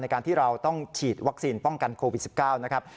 การที่เราต้องฉีดวัคซีนป้องกันโควิด๑๙นะครับ